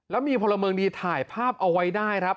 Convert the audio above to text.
แล้วมีพลเมืองดีถ่ายภาพเอาไว้ได้ครับ